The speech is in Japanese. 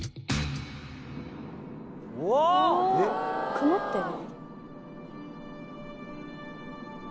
・曇ってる？